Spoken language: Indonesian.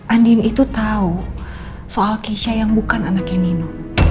andin itu tahu soal keisha yang bukan anaknya nino